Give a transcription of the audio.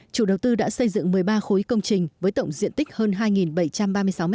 chủ đầu tư đã xây dựng một mươi ba khối công trình với tổng diện tích hơn hai bảy trăm ba mươi sáu m hai